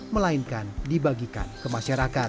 melainkan dibagikan ke masyarakat